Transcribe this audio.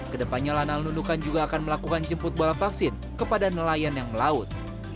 kedepannya lanal nunukan juga akan melakukan jemput bola vaksin kepada nelayan yang melaut